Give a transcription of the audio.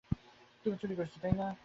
তিনি সায়েনের উদ্দেশ্যে যাত্রা করেন।